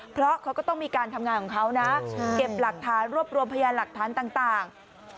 เพราะเขาก็ต้องมีการทำงานของเขานะเก็บหลักฐานรวบรวมพยานหลักฐานต่าง